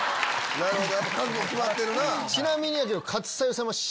なるほど。